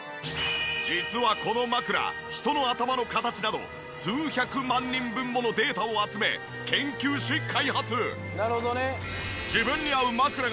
実はこの枕人の頭の形など数百万人分ものデータを集め研究し開発。